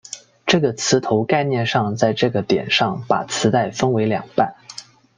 这个磁头概念上在这一点上把磁带分为两半。